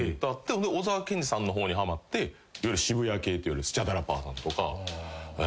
小沢健二さんの方にハマっていわゆる渋谷系っていわれるスチャダラパーさんとか。